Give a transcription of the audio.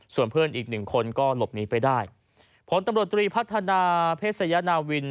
ส่วนเพื่อนอีกหนึ่งคนก็หลบหนีไปได้ผลตำรวจตรีพัฒนาเพศยนาวิน